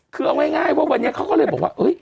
คือเอาง่ายว่าวันนี้เขาก็เลยบอกว่า